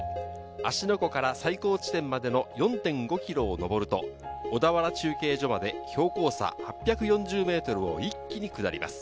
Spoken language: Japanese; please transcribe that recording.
芦ノ湖から最高地点までの４．５ｋｍのを上ると小田原中継所まで標高差８４０ｍを一気に下ります。